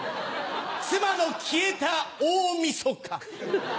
妻の消えた大みそか。